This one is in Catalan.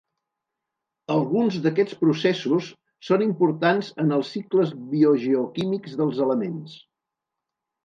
Alguns d'aquests processos són importants en els cicles biogeoquímics dels elements.